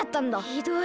ひどい。